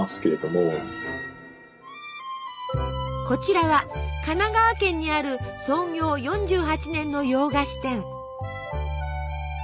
こちらは神奈川県にある創業４８年の洋菓子店。